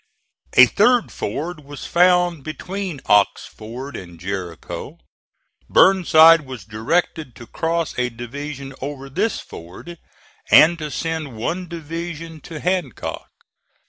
A third ford was found between Ox Ford and Jericho. Burnside was directed to cross a division over this ford, and to send one division to Hancock.